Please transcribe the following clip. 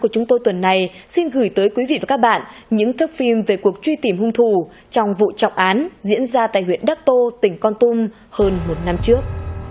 hôm nay xin gửi tới quý vị và các bạn những thức phim về cuộc truy tìm hung thù trong vụ trọc án diễn ra tại huyện đắc tô tỉnh con tum hơn một năm trước